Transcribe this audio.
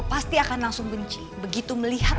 pasti akan langsung benci begitu melihat